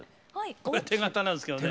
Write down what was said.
これ手形なんですけどね。